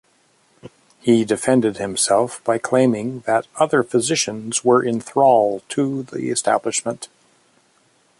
He defended himself by claiming that other physicians were in thrall to the establishment.